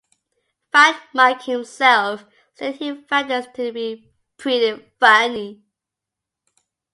Fat Mike himself stated he found this to be "pretty funny".